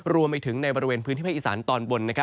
รวมไปถึงในบริเวณพื้นที่ภาคอีสานตอนบน